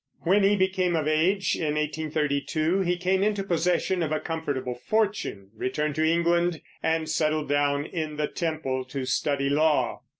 When he became of age, in 1832, he came into possession of a comfortable fortune, returned to England, and settled down in the Temple to study law.